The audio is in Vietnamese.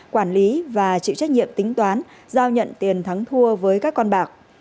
quản lý và chịu trách nhiệm tính toán giao nhận tiền thắng thua với các con bạc